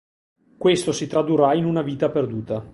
Questo si tradurrà in una vita perduta.